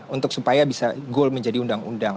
untuk supaya bisa goal menjadi undang undang